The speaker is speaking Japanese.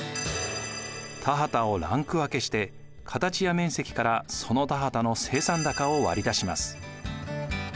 田畑をランク分けして形や面積からその田畑の生産高を割り出します。